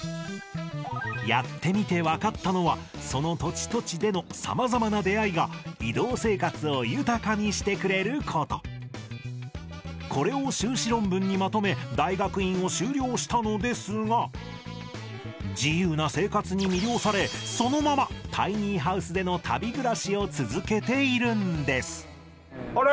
やってみて分かったのはその土地土地でのさまざまな出会いが移動生活を豊かにしてくれることこれを修士論文にまとめ大学院を修了したのですが自由な生活に魅了されそのままタイニーハウスでの旅暮らしを続けているんですあれ？